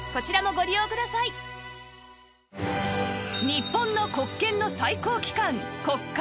日本の国権の最高機関国会